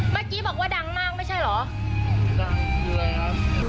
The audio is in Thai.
เมื่อกี้บอกว่าดังมากไม่ใช่เหรอ